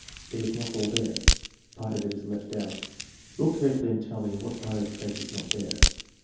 It is not all there. Part of it is left out. Look carefully and tell me what part of the face is not there